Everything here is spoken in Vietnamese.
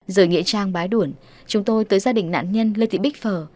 giờ nghĩa trang bái đuổn chúng tôi tới gia đình nạn nhân lê thị bích phở